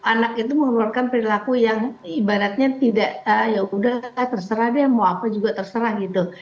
anak itu mengeluarkan perilaku yang ibaratnya tidak yaudah terserah deh mau apa juga terserah gitu